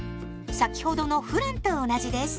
先ほどのフランと同じです。